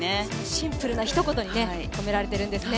シンプルなひと言に込められてるんですね。